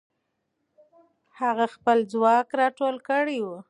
هغه خپل ځواک راټول کړی وو.